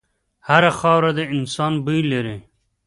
هره خاوره د انسان بوی لري.